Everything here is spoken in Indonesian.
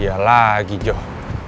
ya lagi joh